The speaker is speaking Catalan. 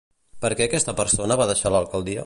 Per què aquesta persona va deixar l'alcaldia?